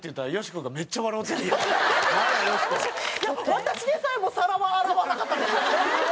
私でさえも皿は洗わなかったです。